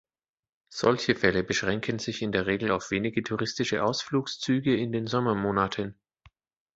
Solche Fälle beschränken sich in der Regel auf wenige touristische Ausflugszüge in den Sommermonaten.